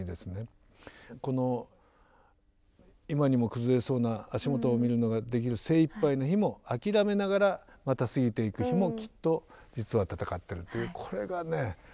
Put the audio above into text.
この「今にもくずれそうな足元見るのが出来る精一杯な日もあきらめながらまた過ぎていく日もきっと実は闘ってる」っていうこれがね